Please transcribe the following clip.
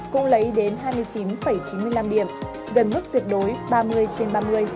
cũng lấy đến hai mươi chín chín mươi năm điểm gần mức tuyệt đối ba mươi trên ba mươi